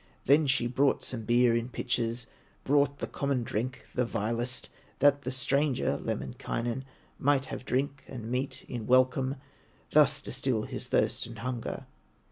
Then she brought some beer in pitchers, Brought of common drink the vilest, That the stranger, Lemminkainen, Might have drink, and meat in welcome, Thus to still his thirst and hunger.